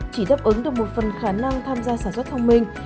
chỉ đáp ứng được một phần khả năng tham gia sản xuất thông minh